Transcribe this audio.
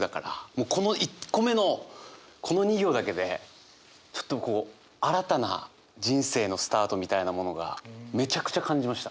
もうこの一個目のこの２行だけでちょっとこう新たな人生のスタートみたいなものがめちゃくちゃ感じました。